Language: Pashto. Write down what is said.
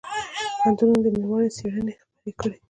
پوهنتونونه دي نړیوالې څېړنې خپرې کړي.